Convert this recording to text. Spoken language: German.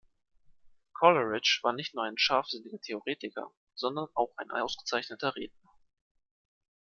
Coleridge war nicht nur ein scharfsinniger Theoretiker, sondern auch ein ausgezeichneter Redner.